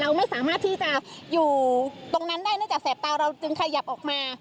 เราไม่สามารถที่จะอยู่ตรงนั้นได้เนื่องจากแบเราจึงขยับออกมา